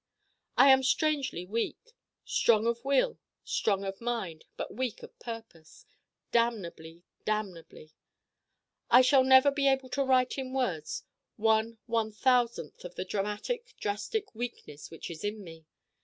I am strangely weak. Strong of will, strong of mind, but weak of purpose: damnably, damnedly. I shall never be able to write in words one one thousandth of the dramatic drastic weakness which is in me.